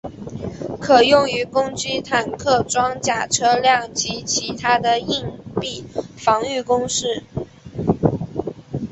可用于攻击坦克装甲车辆及其它硬壁防御工事。